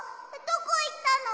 どこいったの？